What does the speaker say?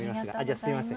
すみません。